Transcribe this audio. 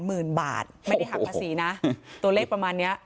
ไม่ได้หักภาษีนะตัวเลขประมาณนี้